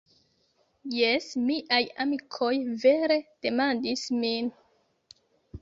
Jes, miaj amikoj vere demandis min